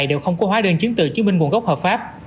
đều không có hóa đơn chứng từ chứng minh nguồn gốc hợp pháp